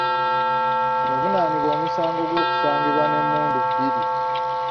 Yavunaanibwa omusango gw’okusangibwa n’emmundu bbiri.